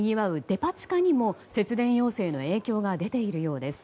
デパ地下にも節電要請の影響が出ているようです。